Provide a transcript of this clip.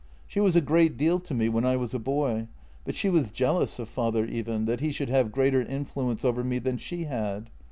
She was a great deal to me when I was a boy, but she was jealous of father even — that he should have greater influence over me than she had.